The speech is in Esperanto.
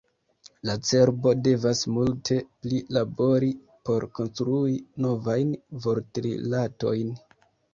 La cerbo devas multe pli labori por konstrui novajn vortrilatojn.